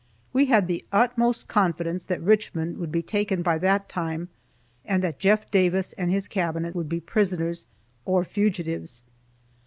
We had the utmost confidence that Richmond would be taken by that time, and that Jeff Davis and his cabinet would be prisoners, or fugitives.